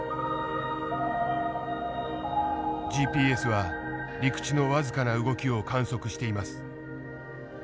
ＧＰＳは陸地の僅かな動きを観測しています。